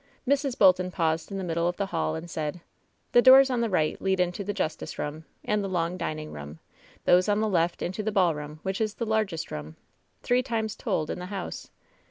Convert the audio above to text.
Mrs. Bolton paused in the middle of the hall and said : "The doors on the right lead into the justice room, and the long dining room ; those on the left into the ball room, which is the largest room, three times told, in the house.